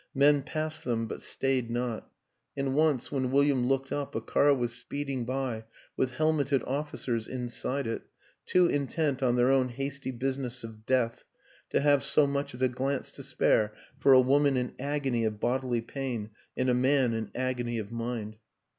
... Men passed them but stayed not; and once, when William looked up, a car was speeding by with helmeted officers inside it too intent on their own hasty business of death to have so much as a glance to spare for a woman in agony of bodily pain and a man in agony of mind.